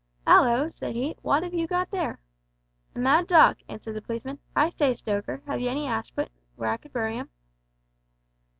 "Hallo!" said he, "what 'ave you got there?" "A mad dog," answered the policeman. "I say, stoker, have you any ashpit where I could bury him?"